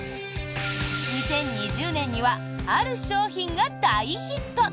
２０２０年にはある商品が大ヒット！